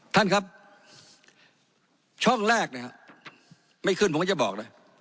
ท่านครับช่องแรกเนี่ยไม่ขึ้นผมก็จะบอกนะ